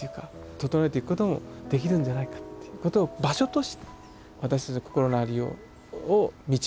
整えていくこともできるんじゃないかっていうことを場所として私たちの心のありようを導いてくれてるっていうかね